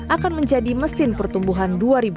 akan menjadi mesin pertumbuhan dua ribu dua puluh